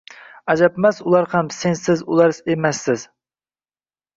Ajabmas, ular ham sensiz — ular emaslar.